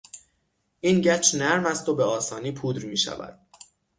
این گچ نرم است و به آسانی پودر میشود.